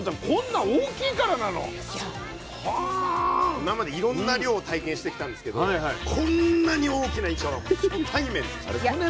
今までいろんな漁を体験してきたんですけどこんなに大きなイカは初対面でしたね。